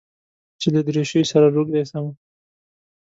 چې له دريشۍ سره روږدى سم.